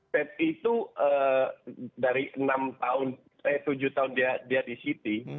pep itu dari enam tahun eh tujuh tahun dia di city